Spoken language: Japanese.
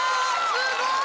すごい！